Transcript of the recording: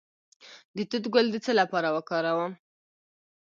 د توت ګل د څه لپاره وکاروم؟